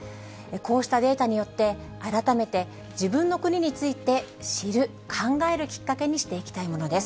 こうしたデータによって、改めて自分の国について知る、考えるきっかけにしていきたいものです。